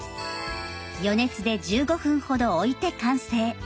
余熱で１５分ほど置いて完成。